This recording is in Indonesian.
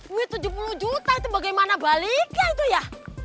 duit tujuh puluh juta itu bagaimana baliknya itu ya